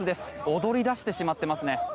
踊り出してしまっていますね。